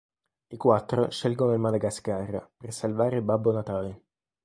I quattro scelgono il Madagascar, per salvare Babbo Natale.